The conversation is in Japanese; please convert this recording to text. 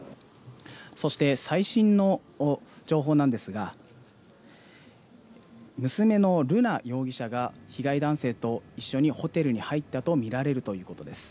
そして、最新の情報なんですが、娘の瑠奈容疑者が被害男性と一緒にホテルに入ったと見られるということです。